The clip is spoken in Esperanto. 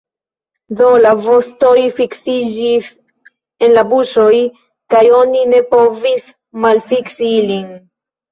Do, la vostoj fiksiĝis en la buŝoj, kaj oni ne povis malfiksi ilin.